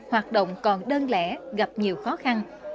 vận động còn đơn lẽ gặp nhiều khó khăn